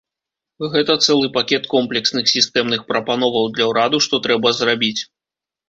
Гэта цэлы пакет комплексных сістэмных прапановаў для ўраду, што трэба зрабіць.